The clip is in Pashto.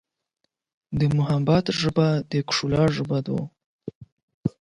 د محبت ژبه د ښکلا ژبه ده.